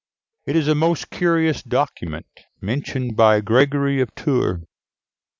It is a most curious document mentioned by Gregory of Tours.